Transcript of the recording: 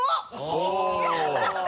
おっ。